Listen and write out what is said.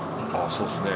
そうですね。